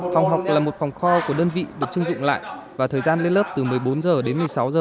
phòng học là một phòng kho của đơn vị được chưng dụng lại và thời gian lên lớp từ một mươi bốn h đến một mươi sáu h